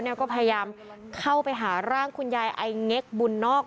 ก็พยายามเข้าไปหาร่างคุณยายไอเง็กบุญนอก